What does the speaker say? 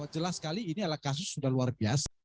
jelas sekali ini adalah kasus sudah luar biasa